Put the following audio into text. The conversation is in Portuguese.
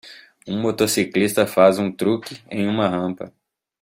Um motociclista faz um truque em uma rampa.